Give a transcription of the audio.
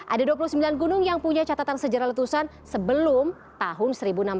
ada dua puluh sembilan gunung yang punya catatan sejarah letusan sebelum tahun seribu enam ratus